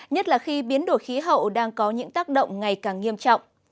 nhất là khi biến đổi khí hậu đang có những tác động ngày càng nghiêm trọng